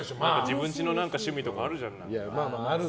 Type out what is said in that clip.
自分ちの趣味とかあるじゃない。